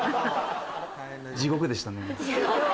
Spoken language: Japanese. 地獄でしたね